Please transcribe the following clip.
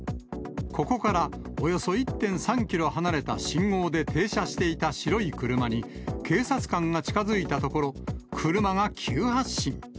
ここからおよそ１．３キロ離れた信号で停車していた白い車に、警察官が近づいたところ、車が急発進。